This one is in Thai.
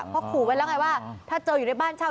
เพราะขู่ไว้แล้วไงว่าถ้าเจออยู่ในบ้านเช่า